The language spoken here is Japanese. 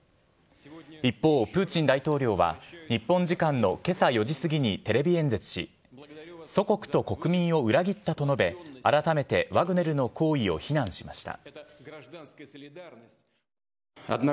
一方、プーチン大統領は日本時間のけさ４時過ぎにテレビ演説し、祖国と国民を裏切ったと述べ、改めてワグネルの行為を非難しました。